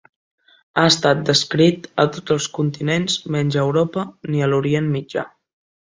Ha estat descrit a tots els continents menys a Europa ni a l'Orient mitjà.